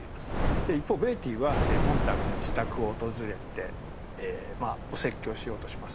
で一方ベイティーはモンターグの自宅を訪れてえまあお説教しようとします。